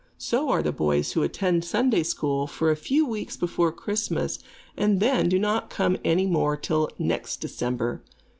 So are the boys who attend Sunday School for a few weeks before Christmas, and then do not come any more till next December.